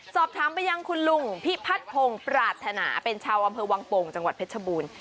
สอบถามไปยังคุณลุงพิพัฒน์พงศ์ปรารถนาเป็นชาวอำเภอวังโป่งจังหวัดเพชรบูรณ์